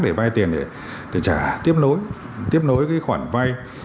để vay tiền để trả tiếp nối tiếp nối cái khoản vay